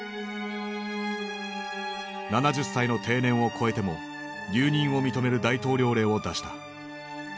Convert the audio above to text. ７０歳の定年を超えても留任を認める大統領令を出した。